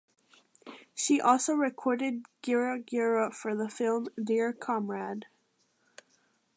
She also recorded Gira Gira for the film Dear Comrade.